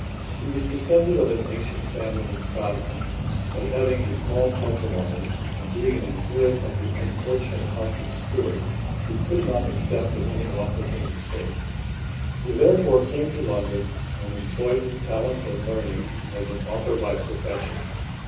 He was descended of an ancient family in Scotland; but having a small patrimony, and being an adherent of the unfortunate house of Stuart, he could not accept of any office in the state; he therefore came to London, and employed his talents and learning as an 'Authour by profession.'